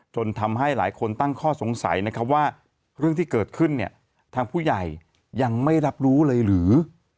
จนทำให้หลายคนตั้งข้อสงสัยนะครับว่าเรื่องที่เกิดขึ้นเนี่ยทางผู้ใหญ่ยังไม่รับรู้เลยหรือ